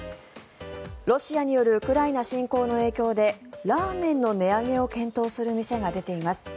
ロシアによるウクライナ侵攻の影響でラーメンの値上げを検討する店が出ています。